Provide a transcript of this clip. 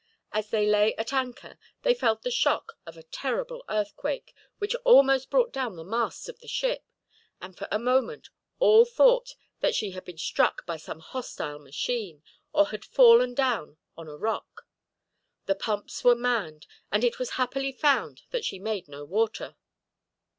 As they lay at anchor they felt the shock of a terrible earthquake, which almost brought down the masts of the ship; and for a moment all thought that she had been struck by some hostile machine, or had fallen down on a rock. The pumps were manned, and it was happily found that she made no water.